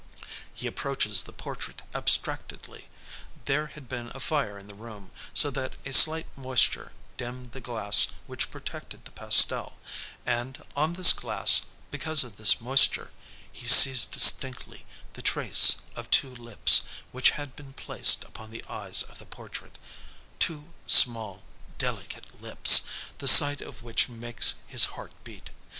He approaches the portrait abstractedly. There had been a fire in the room, so that a slight moisture dimmed the glass which protected the pastel, and on this glass, because of this moisture, he sees distinctly the trace of two lips which had been placed upon the eyes of the portrait, two small delicate lips, the sight of which makes his heart beat.